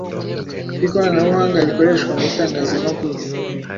ku ikoranabuhanga rikoreshwa mu itangazamakuru.